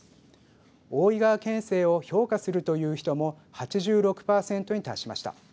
大井川県政を評価するという人も８６％に達しました。